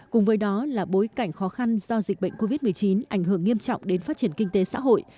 cùng với đó là bối cảnh khó khăn do dịch bệnh covid một mươi chín ảnh hưởng nghiêm trọng đến phát triển kinh tế xã hội